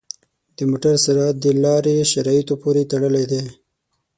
د موټر سرعت د لارې شرایطو پورې تړلی دی.